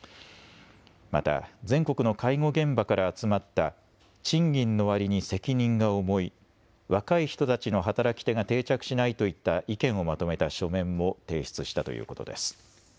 また全国の介護現場から集まった賃金の割に責任が重い、若い人たちの働き手が定着しないといった意見をまとめた書面も提出したということです。